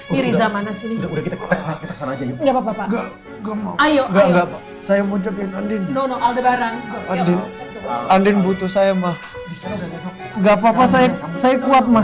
saya mau jadikan di aldebaran andien butuh saya mah nggak papa saya kuat mah